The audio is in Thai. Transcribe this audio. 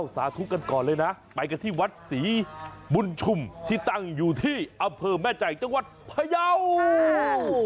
สาธุกันก่อนเลยนะไปกันที่วัดศรีบุญชุมที่ตั้งอยู่ที่อำเภอแม่ใจจังหวัดพยาว